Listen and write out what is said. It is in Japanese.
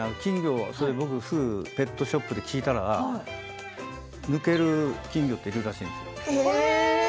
すぐにペットショップで聞いたら抜ける金魚っているらしい。